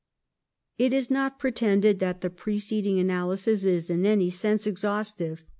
It is not pretended that the preceding analysis is in any sense exhaustive.